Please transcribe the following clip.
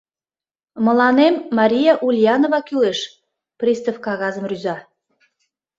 — Мыланем Мария Ульянова кӱлеш, — пристав кагазым рӱза.